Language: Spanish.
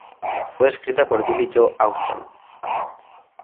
Fue escrita por Billie Joe Armstrong.